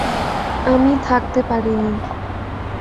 আমি থাকতে পারিনি।